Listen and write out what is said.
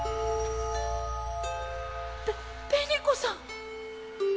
べ紅子さん！